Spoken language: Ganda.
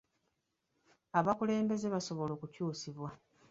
Abakulembeze basobola okukyusibwa.